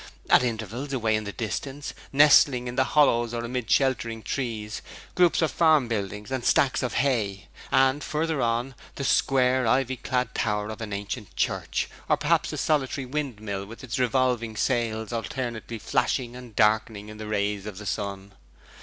At intervals, away in the distance, nestling in the hollows or amid sheltering trees, groups of farm buildings and stacks of hay; and further on, the square ivy clad tower of an ancient church, or perhaps a solitary windmill with its revolving sails alternately flashing and darkening in the rays of the sun.